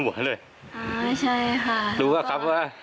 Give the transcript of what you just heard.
แฟนนิกส์แฟนนิกส์แฟนนิกส์